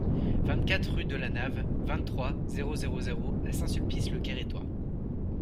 vingt-quatre rue de la Nave, vingt-trois, zéro zéro zéro à Saint-Sulpice-le-Guérétois